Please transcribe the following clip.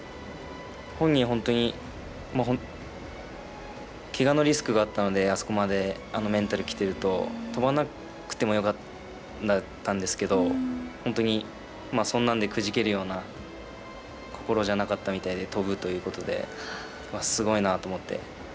本人、本当に、けがのリスクがあったので、あそこまで、あのメンタル来てると、飛ばなくてもよかったんですけど、本当にそんなんでくじけるような心じゃなかったみたいで飛ぶということで、すごいなと思って。